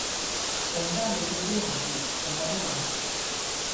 陣間你見機行事，重有咩問題？